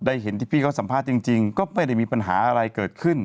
เห็นที่พี่เขาสัมภาษณ์จริงก็ไม่ได้มีปัญหาอะไรเกิดขึ้น